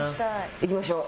いきましょう。